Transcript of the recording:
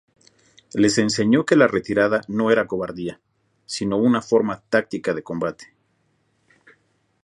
Les enseñó que la retirada no era cobardía, sino una forma táctica de combate.